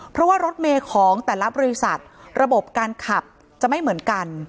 เพราะว่ารถเมย์ของแต่ละบริษัทระบบการขับจะไม่เหมือนกัน